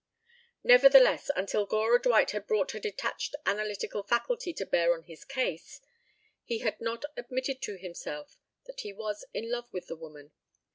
Nevertheless, until Gora Dwight had brought her detached analytical faculty to bear on his case, he had not admitted to himself that he was in love with the woman.